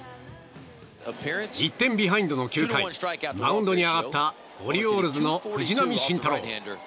１点ビハインドの９回マウンドに上がったオリオールズの藤浪晋太郎。